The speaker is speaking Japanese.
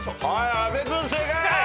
阿部君正解。